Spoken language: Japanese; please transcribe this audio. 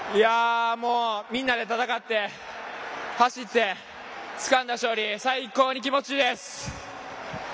みんなで戦って、走ってつかんだ勝利最高に気持ちいいです！